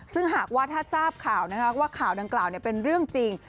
ซึ่งหากว่าถ้าทราบข่าวว่าข่าวดังกล่าวเป็นเรื่องจริง